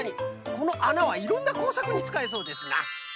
このあなはいろんなこうさくにつかえそうですな。